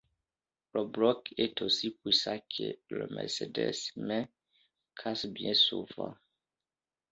Le bloc est aussi puissant que le Mercedes mais casse bien souvent.